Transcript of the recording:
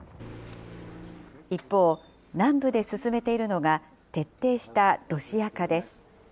一方、南部で進めているのが、徹底したロシア化です。